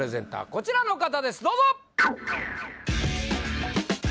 こちらの方ですどうぞ！